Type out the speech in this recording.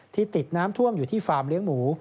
ติดน้ำท่วมอยู่ที่ฟาร์มเลี้ยงหมู